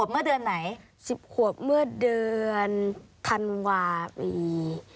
เมื่อเดือนไหน๑๐ขวบเมื่อเดือนธันวาคม